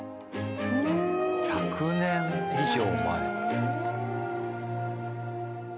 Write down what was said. １００年以上前。